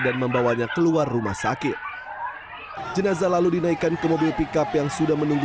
dan membawanya keluar rumah sakit jenazah lalu dinaikkan ke mobil pickup yang sudah menunggu